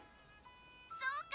「そうか！